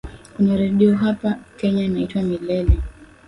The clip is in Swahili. Kuna redio hapa Kenya inaitwa Milele.